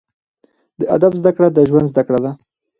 د ادب زده کړه، د ژوند زده کړه ده.